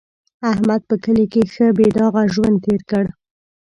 احمد په کلي کې ښه بې داغه ژوند تېر کړ.